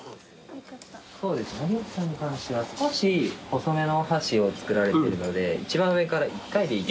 有吉さんに関しては少し細めのお箸をつくられてるので一番上から１回でいいと。